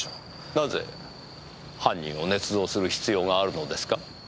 なぜ犯人をねつ造する必要があるのですか？